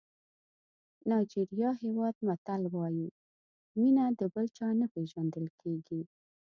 نایجېریا هېواد متل وایي مینه د بل چا نه پېژندل کېږي.